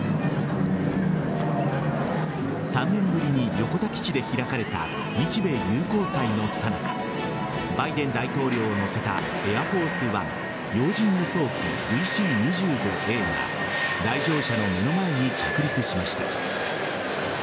３年ぶりに横田基地で開かれた日米友好祭のさなかバイデン大統領を乗せたエアフォースワン要人輸送機ＶＣ‐２５Ａが来場者の目の前に着陸しました。